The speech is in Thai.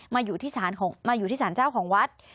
มาอยู่ที่สารเจ้าของวัด